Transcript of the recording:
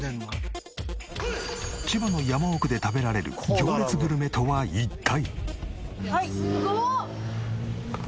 千葉の山奥で食べられる行列グルメとは一体？